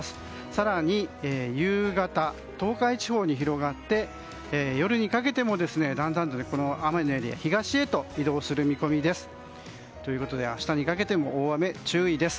更に、夕方東海地方に広がって夜にかけてもだんだんと雨のエリアが東へと移動する見込みです。ということで明日にかけても大雨注意です。